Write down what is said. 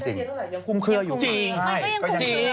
มันก็ยังคุมเคลือค่ะ